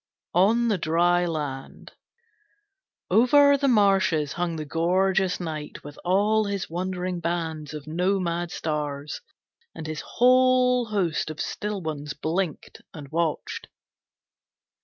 On The Dry Land Over the marshes hung the gorgeous night with all his wandering bands of nomad stars, and his whole host of still ones blinked and watched.